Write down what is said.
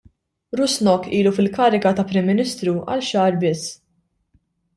Rusnok ilu fil-kariga ta' Prim Ministru għal xahar biss.